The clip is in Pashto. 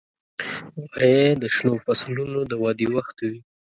غویی د شنو فصلونو د ودې وخت وي.